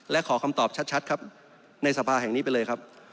และขอคำตอบชัดครับในสภาแห่งนี้ไปเลยครับ